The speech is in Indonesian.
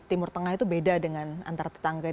timur tengah itu beda dengan antar tetangga